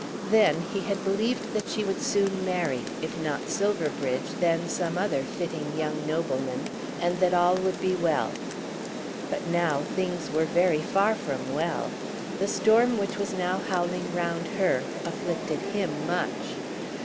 Then he had believed that she would soon marry, if not Silverbridge, then some other fitting young nobleman, and that all would be well. But now things were very far from well. The storm which was now howling round her afflicted him much.